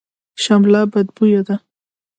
شمله بدبویه ده.